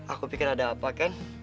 aku pikir ada apa kan